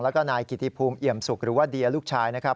แล้วก็นายกิติภูมิเอี่ยมสุกหรือว่าเดียลูกชายนะครับ